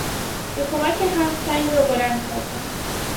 به کمک هم سنگ را بلند کردند.